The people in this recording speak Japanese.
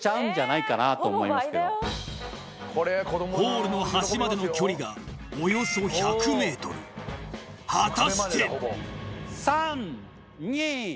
ホールの端までの距離がおよそ１００ｍ果たして？